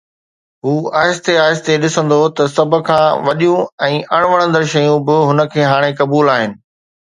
هو آهستي آهستي ڏسندو ته سڀ کان وڏيون ۽ اڻ وڻندڙ شيون به هن کي هاڻي قبول آهن